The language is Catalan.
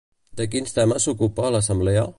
De quins temes s'ocupava l'assemblea?